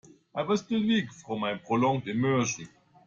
I was still weak from my prolonged immersion.